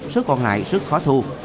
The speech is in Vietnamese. số còn lại rất khó thu